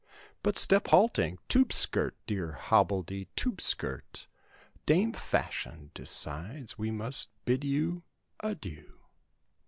But, step halting "tube skirt," dear hobbledy "tube skirt," Dame Fashion decides we must bid you adieu.